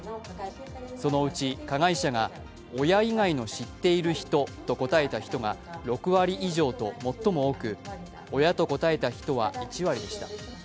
そのうち加害者が親以外の知っている人と答えた人が６割以上と最も多く、親と答えた人は１割でした。